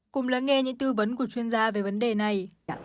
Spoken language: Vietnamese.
cùng lắng nghe những tư vấn của chuyên gia về vấn đề này